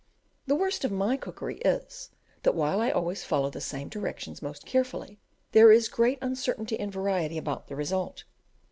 The worst of my cookery is, that while I always follow the same directions most carefully, there is great uncertainty and variety about the result.